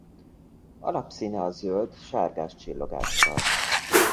Alapszíne a zöld sárgás csillogással.